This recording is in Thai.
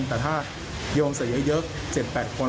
แต่ถ้ายอมใส่เยอะเจ็ดแปดคน